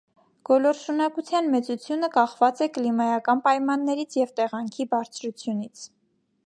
Գոլորշունակության մեծությունը կախված է կլիմայական. պայմաններից և տեղանքի բարձրությունից։